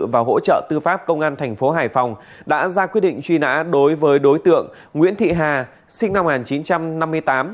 và hỗ trợ tư pháp công an thành phố hải phòng đã ra quyết định truy nã đối với đối tượng nguyễn thị hà sinh năm một nghìn chín trăm năm mươi tám